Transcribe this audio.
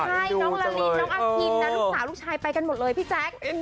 ใช่น้องละลินน้องอาคินนะลูกสาวลูกชายไปกันหมดเลยพี่แจ๊ค